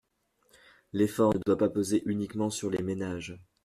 L’effort ne doit pas peser uniquement sur les ménages.